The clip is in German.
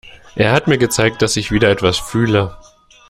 Es hat mir gezeigt, dass ich wieder etwas fühle.